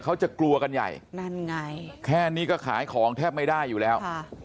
เขาจะกลัวกันใหญ่นั่นไงแค่นี้ก็ขายของแทบไม่ได้อยู่แล้ว